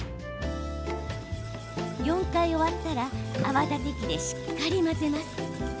４回終わったら泡立て器でしっかり混ぜます。